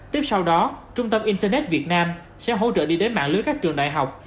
tiếp sau đó trung tâm internet việt nam sẽ hỗ trợ đi đến mạng lưới các trường đại học